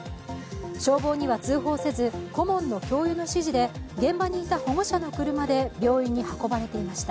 消防には通報せず顧問の教諭の指示で現場にいた保護者の車で病院に運ばれていました。